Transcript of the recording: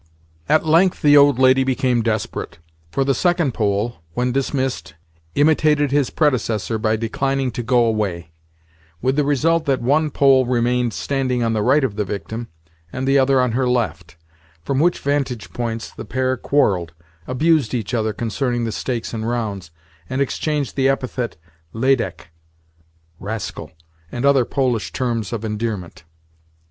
At length the old lady became desperate, for the second Pole, when dismissed, imitated his predecessor by declining to go away; with the result that one Pole remained standing on the right of the victim, and the other on her left; from which vantage points the pair quarrelled, abused each other concerning the stakes and rounds, and exchanged the epithet "laidak" and other Polish terms of endearment.